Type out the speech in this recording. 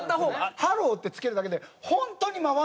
「ハロー！」って付けるだけで本当に回るのよ。